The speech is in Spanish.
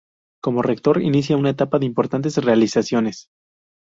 Como Rector inicia una etapa de importantes realizaciones.